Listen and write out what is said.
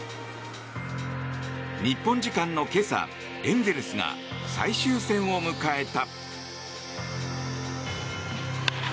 日本時間の今朝エンゼルスが最終戦を迎えた。